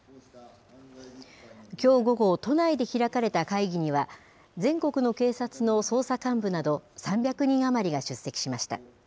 きょう午後、都内で開かれた会議には、全国の警察の捜査幹部など３００人余りが出席しました。